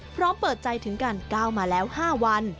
พร้อมเปิดใจถึงการก้าวมาแล้ว๕วัน